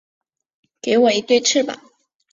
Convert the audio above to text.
给我一对翅膀